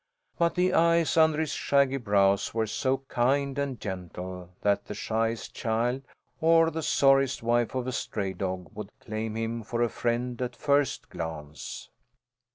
But the eyes under his shaggy brows were so kind and gentle that the shyest child or the sorriest waif of a stray dog would claim him for a friend at first glance.